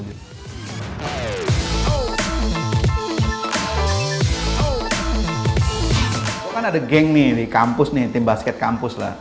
itu kan ada geng nih di kampus nih tim basket kampus lah